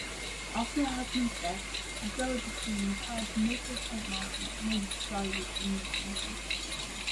After her husband's death, the dowager queen retired to Neaufles-Saint-Martin near Gisors in Normandy.